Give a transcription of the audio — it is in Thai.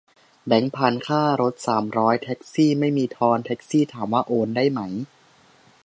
แบงค์พัน ค่ารถสามร้อย แท็กซี่ไม่มีทอน แท็กซี่ถามว่าโอนได้ไหม